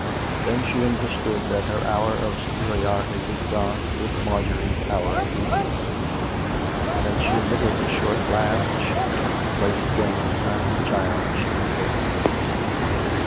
Then she understood that her hour of superiority was gone with Marjorie's hour of weakness; and she emitted a short laugh as she took her place again behind the child she had borne.